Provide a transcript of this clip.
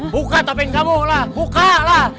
buka topeng kamu lah buka lah